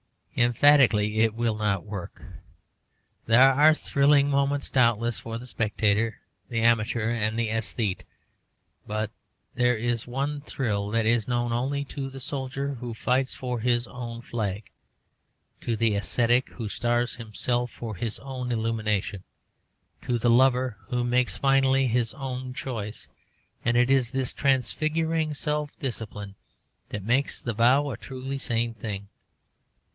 Emphatically it will not work. There are thrilling moments, doubtless, for the spectator, the amateur, and the aesthete; but there is one thrill that is known only to the soldier who fights for his own flag, to the ascetic who starves himself for his own illumination, to the lover who makes finally his own choice. And it is this transfiguring self discipline that makes the vow a truly sane thing.